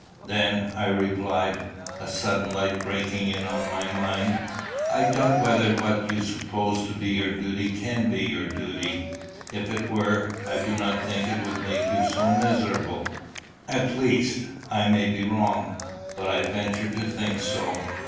"Then," I replied, a sudden light breaking in on my mind, "I doubt whether what you suppose to be your duty can be your duty. If it were, I do not think it would make you so miserable. At least I may be wrong, but I venture to think so."